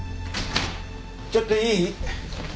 ちょっといい？